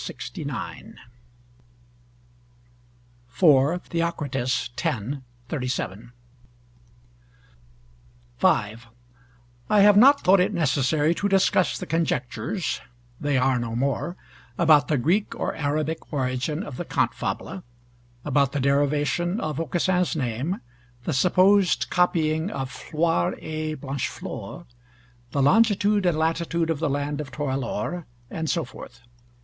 Theocritus, x. 37. I have not thought it necessary to discuss the conjectures, they are no more, about the Greek or Arabic origin of the cante fable, about the derivation of Aucassin's name, the supposed copying of Floire et Blancheflor, the longitude and latitude of the land of Torelore, and so forth.